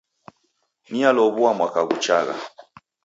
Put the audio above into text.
Nialow'ua mwaka ghuchagha